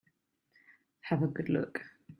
Have a good look.